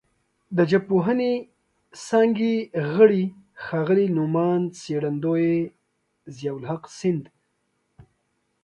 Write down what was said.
د ژبپوهنې څانګې غړي ښاغلي نوماند څېړندوی ضیاءالحق سیند